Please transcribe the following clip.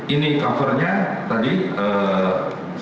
ini covernya tadi satu ratus tiga halaman sangat titik